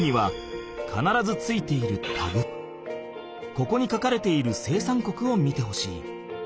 ここに書かれている生産国を見てほしい。